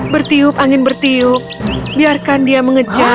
bertiup angin bertiup biarkan topi kurgen terbah